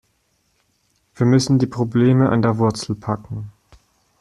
Wir müssen die Probleme an der Wurzel packen.